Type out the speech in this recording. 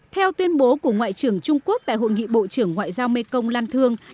theo tuyên bố của ngoại trưởng trung quốc tại hội nghị bộ trưởng ngoại giao mê công lan thương